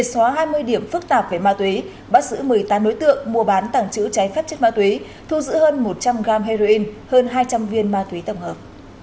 xóa hai mươi điểm phức tạp về ma túy bắt giữ một mươi tám đối tượng mua bán tảng chữ trái phép chất ma túy thu giữ hơn một trăm linh gram heroin hơn hai trăm linh viên ma túy tổng hợp